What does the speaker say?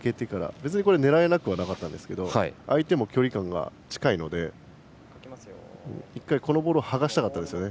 別に狙えなくはなかったんですが相手も距離感が近いので１回、このボールをはがしたかったですね。